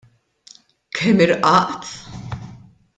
Kemm Irqaqt!